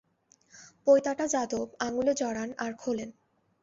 পৈতাটা যাদব আঙুলে জড়ান আর খোলেন।